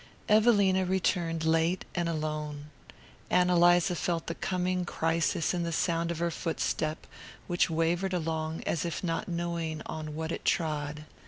Evelina returned late and alone. Ann Eliza felt the coming crisis in the sound of her footstep, which wavered along as if not knowing on what it trod.